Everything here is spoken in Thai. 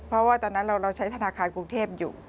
เพราะว่าตอนนั้นเราใช้ธนาคารกรุงเทพอยู่